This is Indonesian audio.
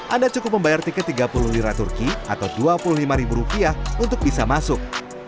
anda cukup membayar tiket tiga puluh lira turki atau dua puluh lima ribu rupiah untuk bisa masuk